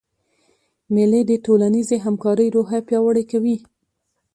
مېلې د ټولنیزي همکارۍ روحیه پیاوړې کوي.